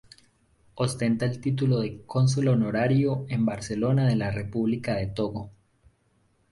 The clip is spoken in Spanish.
Ostenta el título de cónsul honorario en Barcelona de la República de Togo.